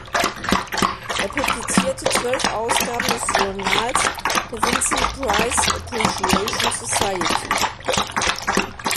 Er publizierte zwölf Ausgaben des Journals der "Vincent Price Appreciation Society.